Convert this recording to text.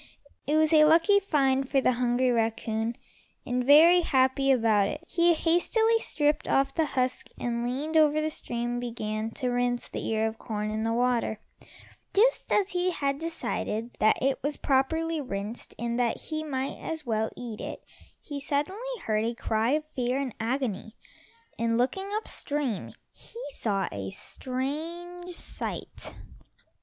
It was a lucky find for the hungry raccoon, and, very happy about it, he hastily stripped off the husk and leaning over the stream began to rinse the ear of corn in the water. Just as he had decided that it was properly rinsed, and that he might as well eat it, he suddenly heard a cry of fear and agony, and looking up stream, he saw a strange sight.